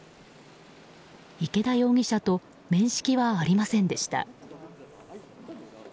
池田容疑者と面識はありませんでした。